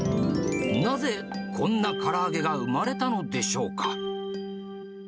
なぜ、こんなから揚げが生まれたのでしょうか。